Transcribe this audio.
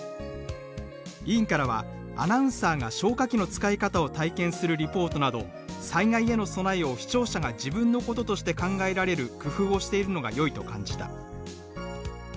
委員からは「アナウンサーが消火器の使い方を体験するリポートなど災害への備えを視聴者が自分のこととして考えられる工夫をしているのがよいと感じた」